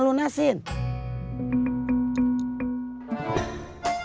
gak jsem bersenang senang loh